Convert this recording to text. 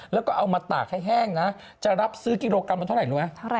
แล้วก็เอามาตากให้แห้งนะจะรับซื้อกิโลกรัมละเท่าไหร่รู้ไหม